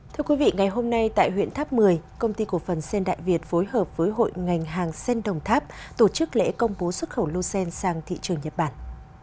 thưa quý vị ngày hôm nay tại huyện tháp một mươi công ty cổ phần sen đại việt phối hợp với hội ngành hàng sen đồng tháp tổ chức lễ công bố xuất khẩu lô sen sang thị trường nhật bản